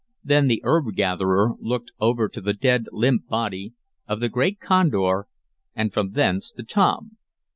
Then the herb gatherer looked over to the dead, limp body of the great condor, and from thence to Tom.